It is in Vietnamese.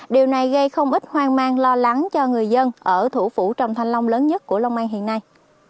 điều này gây không ít hoang mang lo lắng cho người dân ở thủ phủ trồng thanh long lớn nhất của long an hiện nay